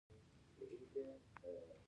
ایا زه باید وران کړم؟